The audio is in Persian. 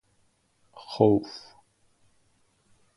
خوف